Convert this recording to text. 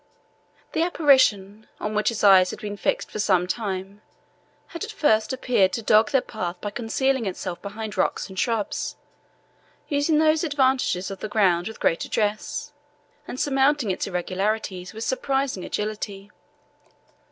The apparition, on which his eyes had been fixed for some time, had at first appeared to dog their path by concealing itself behind rocks and shrubs, using those advantages of the ground with great address, and surmounting its irregularities with surprising agility.